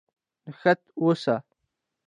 نښته وسوه.